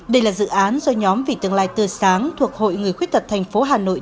đây là dự án do nhóm vì tương lai tươi sáng thuộc hội người khuyết tật thành phố hà nội